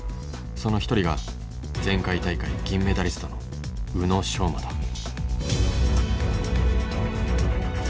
その一人が前回大会銀メダリストの宇野昌磨だ。